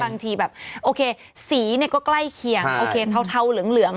บางทีแบบโอเคสีเนี่ยก็ใกล้เคียงโอเคเทาเหลือง